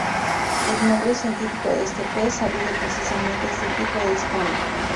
El nombre científico de este pez alude precisamente a este tipo de escama.